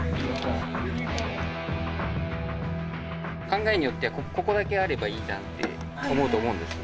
考えによってはここだけあればいいじゃんって思うと思うんです。